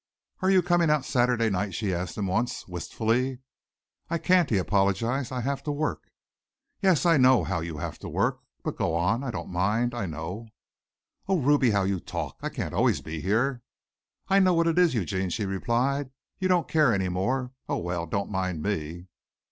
"Are you coming out Sunday night?" she asked him once, wistfully. "I can't," he apologized; "I have to work." "Yes, I know how you have to work. But go on. I don't mind, I know." "Oh, Ruby, how you talk. I can't always be here." "I know what it is, Eugene," she replied. "You don't care any more. Oh, well, don't mind me."